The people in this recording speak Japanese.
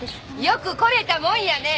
よく来れたもんやね！